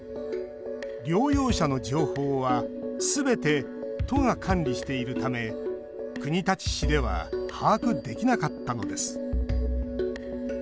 療養者の情報はすべて都が管理しているため国立市では把握できなかったのです。